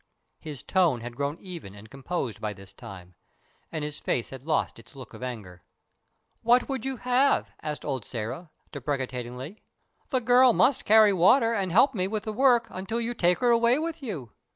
His tone had grown even and composed by this time, and his face had lost its look of anger. "What would you have?" asked old Sĕra, deprecatingly. "The girl must carry water and help me with the work until you take her away with you.